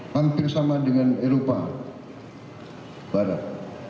hampir sama dengan eropa barat